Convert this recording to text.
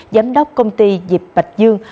giám đốc công ty diệp bạch dương